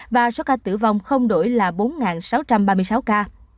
và số ca tử vong không đổi là bốn sáu trăm ba mươi sáu ca